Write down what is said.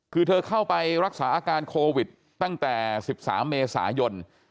คือเธอเข้าไปรักษาอาการโควิดตั้งแต่๑๓เมษายน